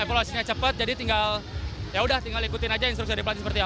evaluasinya cepat jadi tinggal ikutin aja instruksi dari pelatih seperti apa